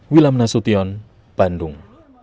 wilam nasution bandung